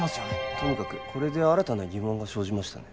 とにかくこれで新たな疑問が生じましたね